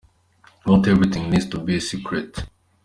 Not everything needs to be secret.